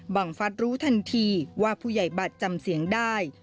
ฟัดรู้ทันทีว่าผู้ใหญ่บัตรจำเสียงได้